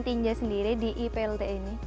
tinja sendiri di iplt ini